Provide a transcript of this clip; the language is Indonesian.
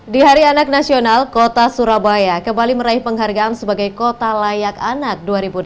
di hari anak nasional kota surabaya kembali meraih penghargaan sebagai kota layak anak dua ribu delapan belas